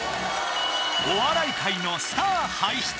お笑い界のスター輩出